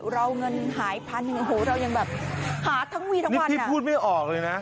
เงินหายพันหนึ่งโอ้โหเรายังแบบหาทั้งวีทั้งวันนี่พูดไม่ออกเลยนะ